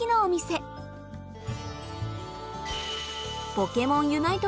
ポケモンユナイト